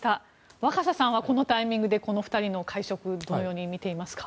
若狭さんは、このタイミングでこの２人の会食はどのようにみていますか？